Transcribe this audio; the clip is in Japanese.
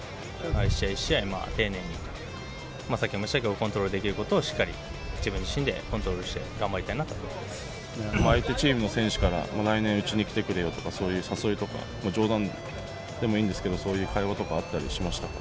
一試合一試合、丁寧に、さっきも言いましたけど、コントロールできることをしっかり自分自身でコントロールして頑相手チームの選手から来年、うちに来てくれよとか、そういう誘いとか、冗談でもいいんですけど、そういう会話とかあったりしましたか？